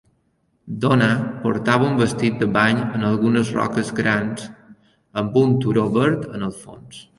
Dona portava un vestit de bany en algunes roques grans amb un turó verd en el fons.